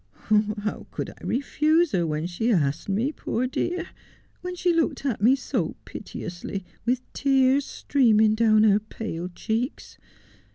' How could I refuse her when she asked me, poor dear !— when she looked .at me so piteously, with tears streaming down her pale cheeks